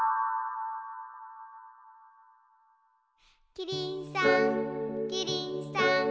キリンさんキリンさん